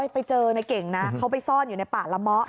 ไปเจอในเก่งนะเขาไปซ่อนอยู่ในป่าละเมาะ